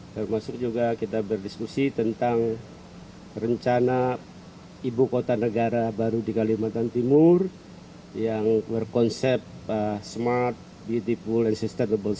termasuk juga kita berdiskusi tentang rencana ibu kota negara baru di kalimantan timur yang berkonsep smart beautiful and sustainable